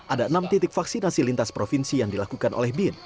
ada enam titik vaksinasi lintas provinsi yang dilakukan oleh bin